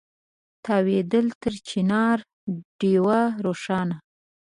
تاوېدله تر چنار ډېوه روښانه